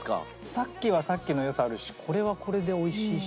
さっきはさっきの良さあるしこれはこれで美味しいし。